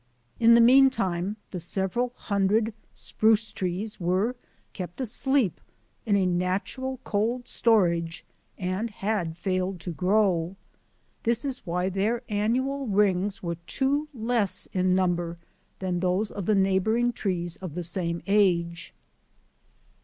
In the meantime, the several hundred spruce trees were kept asleep in a natural cold storage and had failed to grow. This is why their annual rings were two less in number than those of the neighbouring trees of the same age.